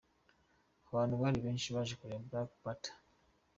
Abantu bari benshi baje kureba Black Panther.